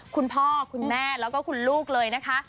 คุณพ่อคุณแม่แล้วก็คุณลูกเลยนะคะ